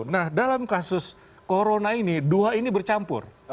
nah dalam kasus corona ini dua ini bercampur